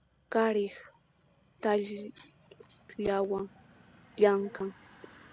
Qhariqa takllawan llamk'an.